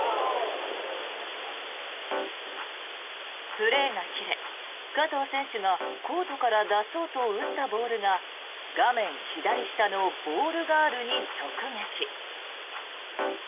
プレーが切れ加藤選手がコートから出そうと打ったボールが画面左下のボールガールに直撃。